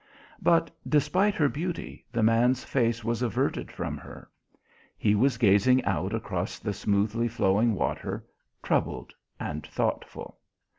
But despite her beauty, the man's face was averted from her. He was gazing out across the smoothly flowing water, troubled and thoughtful.